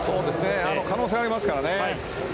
可能性はありますからね。